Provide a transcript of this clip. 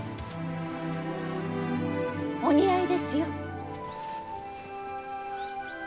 お似合いですよ。